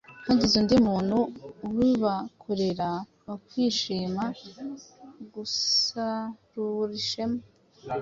Hagize undi muntu ubibakorera, bakwishimira gusarura ishema,